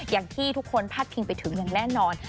อย่างที่ทุกคนพาดพิงไปถึงอย่างแน่นอน